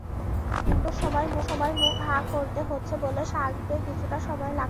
কিন্তু খাওয়ানোর সময় মুখ হাঁ করতে হচ্ছে বলে সারতে কিছুটা সময় লাগছে।